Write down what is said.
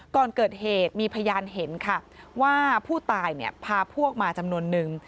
ก่อนเกิดเหตุมีพยานเห็นค่ะว่าผู้ตายเนี่ยพาพวกมาจำนวนนึง